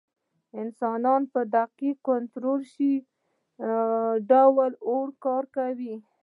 انسانانو په دقت کنټرول شوي ډول اور وکاراوه.